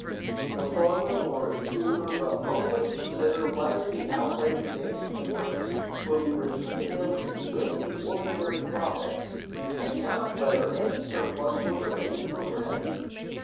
The farmer or improver will only consider whether the outlay he makes for the purpose will be returned to him with the ordinary profit, and not whether any surplus will remain for rent.